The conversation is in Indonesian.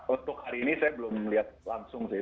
untuk hari ini saya belum lihat langsung sih